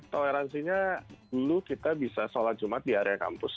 toleransinya dulu kita bisa sholat jumat di area kampus